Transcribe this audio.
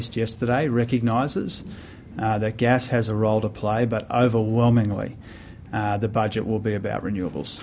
budjet akan berguna dengan perusahaan penyelamatan